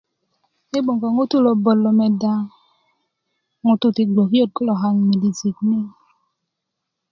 yi' gböŋ ko ŋutuu lo bot lo meda ŋutuu ti gbokiot kulo kaŋ midijik ni